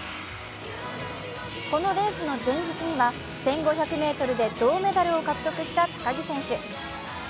このレースの前日には１５００ｍで銅メダルを獲得した高木選手。